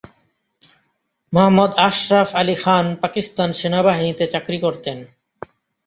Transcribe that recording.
মোহাম্মদ আশরাফ আলী খান পাকিস্তান সেনাবাহিনীতে চাকরি করতেন।